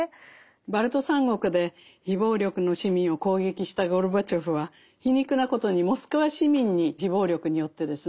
バルト三国で非暴力の市民を攻撃したゴルバチョフは皮肉なことにモスクワ市民に非暴力によってですね